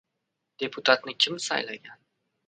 Deputatni kim saylagan?